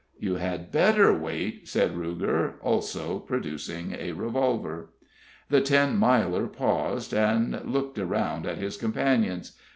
"You had better wait," said Ruger, also producing a revolver. The Ten Miler paused, and looked around at his companions.